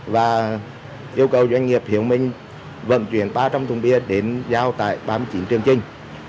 và yêu cầu doanh nghiệp hiếu minh vận chuyển ba trăm linh thùng bia đến giao tại ba mươi chín chương trình